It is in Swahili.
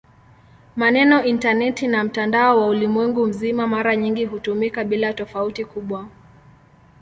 Maneno "intaneti" na "mtandao wa ulimwengu mzima" mara nyingi hutumika bila tofauti kubwa.